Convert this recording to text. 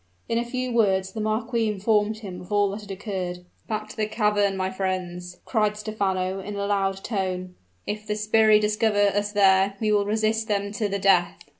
In a few words the marquis informed him of all that had occurred. "Back to the cavern, my friends!" cried Stephano, in a loud tone. "If the sbirri discover us there, we will resist them to the death."